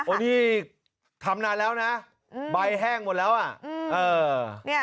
นี่ทำนานแล้วนะใบแห้งหมดแล้วอ่ะ